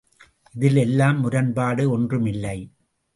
இதில் எல்லாம் முரண்பாடு ஒன்றும் இல்லை.